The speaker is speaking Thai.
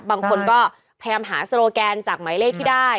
บางคนก็พยายามหาโซโลแกนจากหมายเลขที่ได้